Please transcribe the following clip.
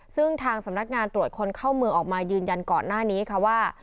ซึ่งทางสำนักงานตรวจคนเข้าเมืองออกมายืนยันก่อนหน้านี้ค่ะว่า